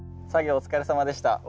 お疲れさまでした。